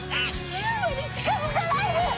柊磨に近づかないで！